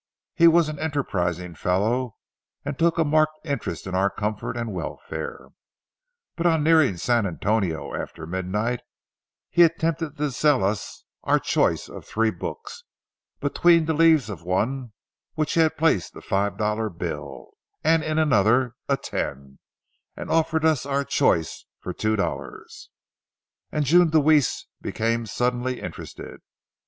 He was an enterprising fellow and took a marked interest in our comfort and welfare. But on nearing San Antonio after midnight, he attempted to sell us our choice of three books, between the leaves of one of which he had placed a five dollar bill and in another a ten, and offered us our choice for two dollars, and June Deweese became suddenly interested.